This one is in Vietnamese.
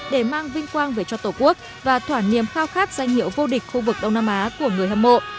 để mang vinh quang về cho tổ quốc và thỏa niềm khao khát danh hiệu vô địch khu vực đông nam á của người hâm mộ